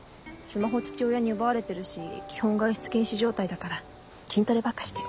スマホ父親に奪われてるし基本外出禁止状態だから筋トレばっかしてる。